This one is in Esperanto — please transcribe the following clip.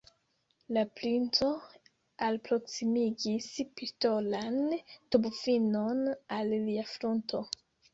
La princo alproksimigis pistolan tubfinon al lia frunto.